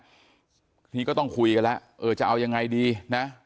ทีนี้ก็ต้องคุยกันแล้วเออจะเอายังไงดีนะ